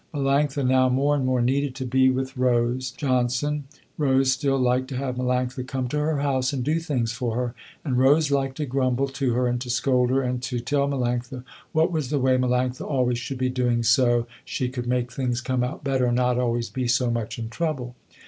Melanctha now more and more needed to be with Rose Johnson. Rose still liked to have Melanctha come to her house and do things for her, and Rose liked to grumble to her and to scold her and to tell Melanctha what was the way Melanctha always should be doing so she could make things come out better and not always be so much in trouble.